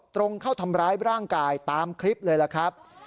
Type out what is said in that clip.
ตรงเข้าทำร้ายร่างกายตามคลิปเลยล่ะครับ